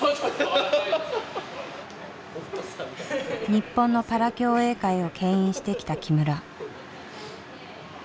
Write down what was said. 日本のパラ競泳界をけん引してきた木村。